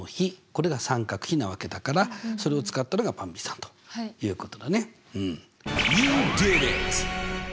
これが三角比なわけだからそれを使ったのがばんびさんということだねうん。